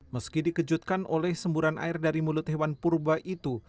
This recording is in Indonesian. meski dikejutkan oleh semburan air dari mulut hewan purba itu